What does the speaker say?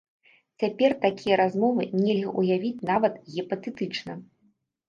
Цяпер такія размовы нельга ўявіць нават гіпатэтычна.